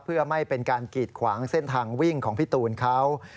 เพื่อไม่เป็นการกีดขวางเส้นทางวิ่งของพี่ตูนเขา